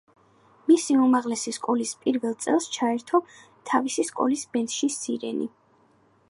მისი უმაღლესი სკოლის პირველ წელს ჩაერთო თავისი სკოლის ბენდში „სირენი“.